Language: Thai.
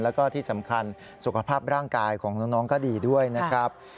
แล้วก็ที่สำคัญสุขภาพร่างกายของน้องก็ดีด้วยนะครับ